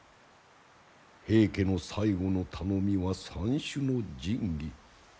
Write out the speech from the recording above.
平家の最後の頼みは三種の神器。